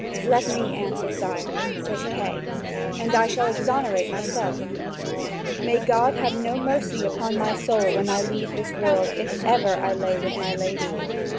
"Let me answer, sire," says Kay, "and I shall exonerate myself. May God have no mercy upon my soul when I leave this world, if I ever lay with my lady!